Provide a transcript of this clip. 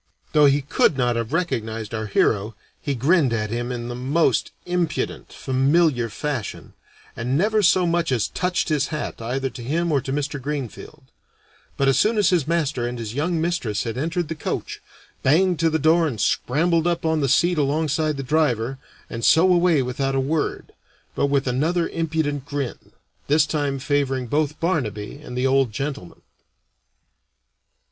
Though he could not have recognized our hero, he grinned at him in the most impudent, familiar fashion, and never so much as touched his hat either to him or to Mr. Greenfield; but as soon as his master and his young mistress had entered the coach, banged to the door and scrambled up on the seat alongside the driver, and so away without a word, but with another impudent grin, this time favoring both Barnaby and the old gentleman.